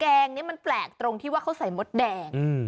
แดงนี้มันแปลกตรงที่ว่าเขาใส่มดแดง